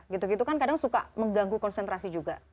gitu gitu kan kadang suka mengganggu konsentrasi juga